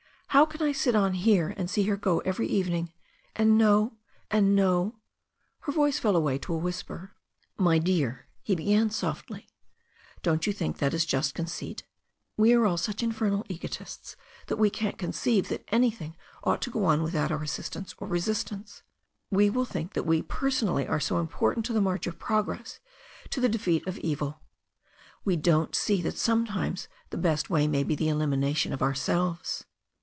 How can I sit on here and see her go every eve ing — ^and know — ^and know Her voice fell away to a whisper. "My dear," he began very softly. "Don't you think that is just conceit? We are all such infernal egoists that we can't conceive that an3rthing ought to go on without our THE STORY OF A NEW ZEALAND RIVER 353 assistance or resistance. We will think that we personally are so important to the march of progress, to the defeat of evil. We don't see that sometimes the best thing may be the elimination of ourselves."